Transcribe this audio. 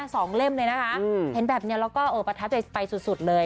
สองเล่มเลยนะคะเห็นแบบเนี่ยก็ประทับใจไปสุดเลย